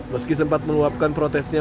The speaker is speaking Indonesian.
meski sempat meluapkan protesnya